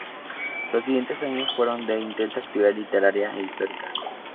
Los siguientes años fueron de intensa actividad literaria e histórica.